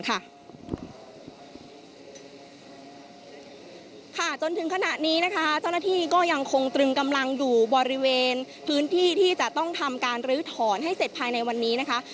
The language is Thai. จนถึงขณะนี้นะคะเจ้าหน้าที่ก็ยังคงตรึงกำลังอยู่บริเวณพื้นที่ที่จะต้องทำการลื้อถอนให้เสร็จภายในวันนี้นะคะ